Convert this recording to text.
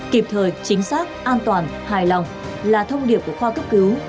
kịp thời chính xác an toàn hài lòng là thông điệp của khoa cấp cứu